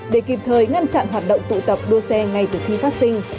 để kịp thời ngăn chặn hoạt động tụ tập đua xe ngay từ khi phát sinh